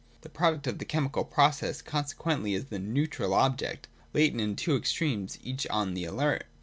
201.J The product of the chemical process conse quently is the Neutral object, latent in the two extremes, each on the alert.